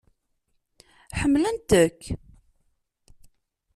Ḥemmlent-k!